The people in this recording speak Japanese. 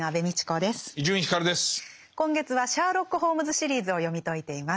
今月は「シャーロック・ホームズ・シリーズ」を読み解いています。